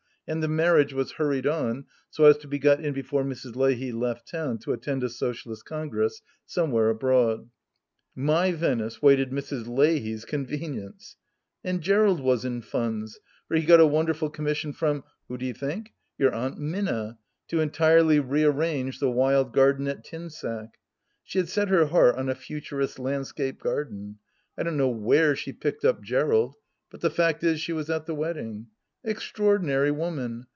And the marriage was hurried on, so as to be got in before Mrs. Leahy left town to attend a Socialist Congress, somewhere abroad. ... My Venice waited Mrs. Leahy's convenience ! And Gerald was in funds, for he got a wonderful commission from — who do you think ?— ^your Aunt Minna, to entirely rearrange the wild garden at Tinsack. She had set her heart on a Futurist landscape garden. I don't know where she picked up Gerald, but the fact is, she was at the wedding. Extraordinary woman